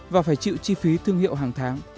và phải chịu chi phí thương hiệu hàng tháng